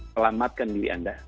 selamatkan diri anda